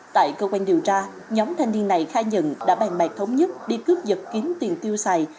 tại cơ quan điều tra nhóm thanh niên này khai nhận đã bàn bạc thống nhất đi cướp dật kiến tiền tiêu xài